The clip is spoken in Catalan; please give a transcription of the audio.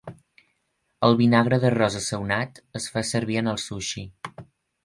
El vinagre d'arròs assaonat es fa servir en el sushi.